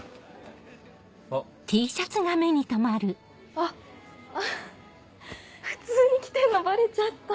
あっ普通に着てんのバレちゃった。